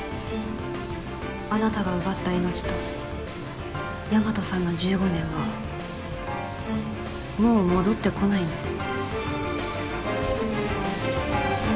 あなたが奪った命と大和さんの１５年はもう戻って来ないんです。